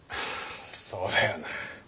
そうだよな。